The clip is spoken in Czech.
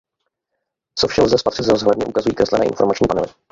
Co vše lze spatřit z rozhledny ukazují kreslené informační panely.